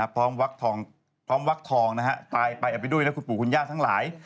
พร้อมวักทองนะฮะตายไปเอาไปด้วยนะคุณปู่คุณย่าทั้งหลาย